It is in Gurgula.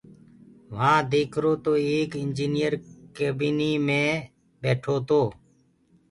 وهآنٚ ديکرو تو ايڪ اِنجنئير ڪيبيني مي ٻيٺو تو۔